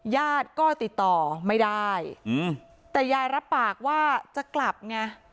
ย่าดก็ติดต่อไม่ได้แต่ยายรับปากว่าจะกลับเนี้ย